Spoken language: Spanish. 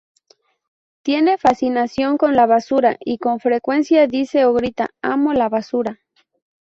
Tiene fascinación con la basura, y con frecuencia dice o grita ""¡Amo la basura!